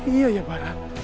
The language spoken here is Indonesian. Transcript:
iya ya barah